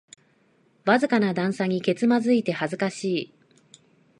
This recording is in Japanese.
わずかな段差にけつまずいて恥ずかしい